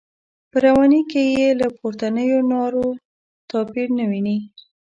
په رواني کې یې له پورتنیو نارو توپیر نه ویني.